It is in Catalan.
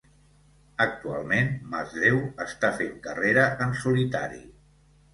Actualment Masdéu està fent carrera en solitari.